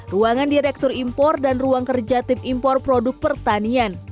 ruangan direktur impor dan ruang kerja tim impor produk pertanian